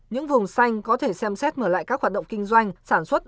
những vùng xanh có thể xem xét mở lại các hoạt động kinh doanh sản xuất